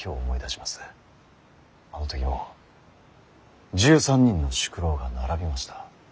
あの時も１３人の宿老が並びました。